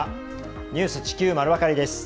「ニュース地球まるわかり」です。